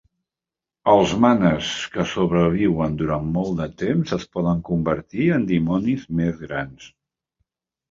Els "manes" que sobreviuen durant molt de temps es poden convertir en dimonis més grans.